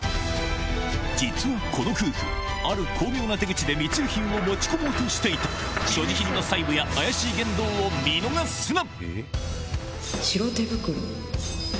実はこの夫婦ある巧妙な手口で密輸品を持ち込もうとしていた所持品の細部や怪しい言動を見逃すな！